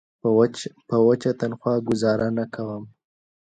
په وچه تنخوا ګوزاره نه کوم.